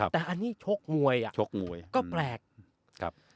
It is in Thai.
แต่อันนี้ชกมวยก็แปลก